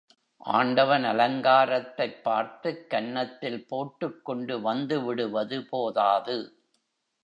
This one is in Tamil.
ஆண்டவன் அலங்காரத்தைப் பார்த்துக் கன்னத்தில் போட்டுக் கொண்டு வந்து விடுவது போதாது.